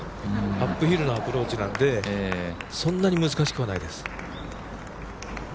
アップヒルのアプローチなのでそんなに難しくないです。